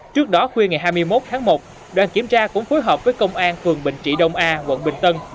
trước đó khuya ngày hai mươi một tháng một đoàn kiểm tra cũng phối hợp với công an phường bình trị đông a quận bình tân